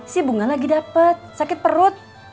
si bunga lagi dapat sakit perut